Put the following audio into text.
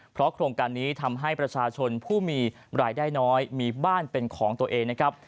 เพราะโครงการนี้ทำให้ประชาชนผู้มีรายได้น้อยมีบ้านเป็นของตัวเองนะครับ